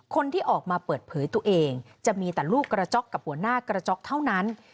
คนที่ออกมาเปิดเผยตัวเองจะมีแต่ลูกกระจ๊อกกับหัวหน้ากระจ๊อกเท่านั้น